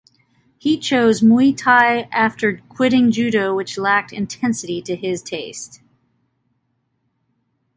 He chose Muay Thai after quitting Judo which lacked intensity to his taste.